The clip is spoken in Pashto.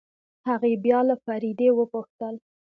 هغې بيا له فريدې وپوښتل.